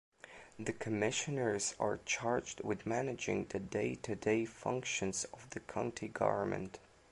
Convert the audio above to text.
The commissioners are charged with managing the day-to-day functions of the county government.